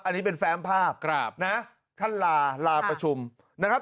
อันนี้เป็นแฟมภาพครับนะท่านลาลาประชุมนะครับ